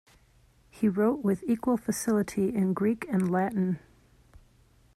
He wrote with equal facility in Greek and Latin.